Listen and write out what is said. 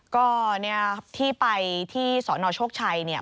ก็เนี่ยครับที่ไปที่สอนอชกชัยเนี่ย